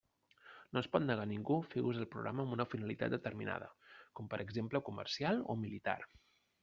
No es pot negar a ningú fer ús del programa amb una finalitat determinada, com per exemple comercial o militar.